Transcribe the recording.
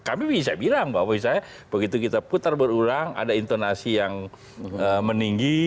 kami bisa bilang bahwa begitu kita putar berulang ada intonasi yang meninggi